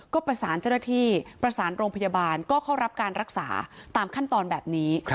ก็ประสานเจ้าหน้าที่ประสานโรงพยาบาลก็เข้ารับการรักษาตามขั้นตอนแบบนี้